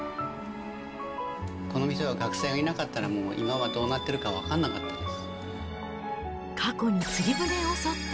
この店は学生がいなかったら、もう、今はどうなってるか分か太ももは温かいがあ！